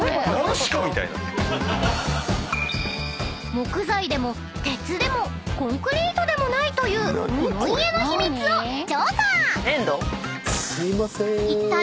［木材でも鉄でもコンクリートでもないというこの家の秘密を調査！］